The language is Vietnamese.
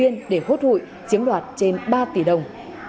nền ba tỷ đồng